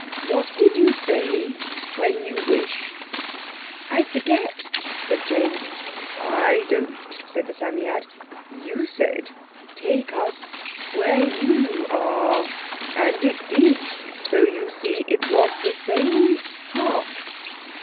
What did you say when you wished?" "I forget," said Jane. "I don't," said the Psammead. "You said, 'Take us where you are'—and it did, so you see it was the same half."